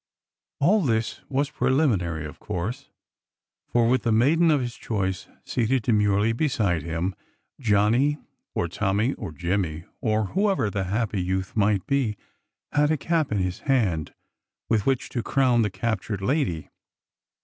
All this was preliminary, of course; for, with the maiden of his choice seated demurely beside him, Johnny or Tommy or Jimmy, or whoever the happy youth might be, had a cap in his hand with which to crown the cap tured lady.